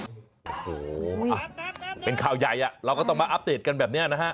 โอ้โหเป็นข่าวใหญ่เราก็ต้องมาอัปเดตกันแบบนี้นะฮะ